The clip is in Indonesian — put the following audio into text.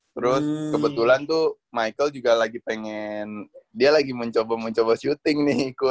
terus kebetulan tuh michael juga lagi pengen dia lagi mau coba coba shooting nih ikut